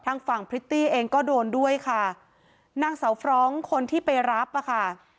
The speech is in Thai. ทางฝั่งพริตตี้เองก็โดนด้วยค่ะนางเสาฟรองก์คนที่ไปรับอ่ะค่ะ